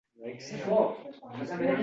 to‘lov grantlari asosida joriy etiladi.